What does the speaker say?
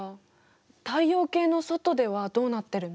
太陽系の外ではどうなってるの？